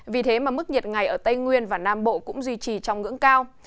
vì thế mà mức nhiệt ngày ở tây nguyên và nam bộ cũng duy trì trong ngưỡng cao